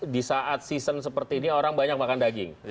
di saat season seperti ini orang banyak makan daging